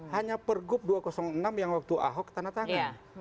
hanya pergub dua ratus enam yang waktu ahok tanda tangan